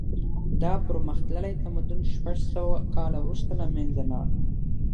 دا پرمختللی تمدن شپږ سوه کاله وروسته له منځه لاړ.